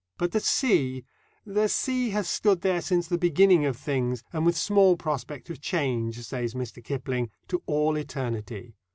But the sea the sea has stood there since the beginning of things, and with small prospect of change, says Mr. Kipling, to all eternity.